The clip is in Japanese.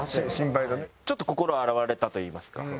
ちょっと心洗われたといいますか。